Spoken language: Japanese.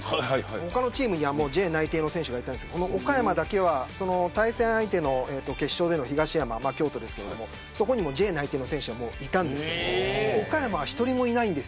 他のチームにはＪ内定の選手がいたんですが決勝の対戦相手の京都の東山にもＪ内定の選手はいたんですが岡山には１人もいないんです。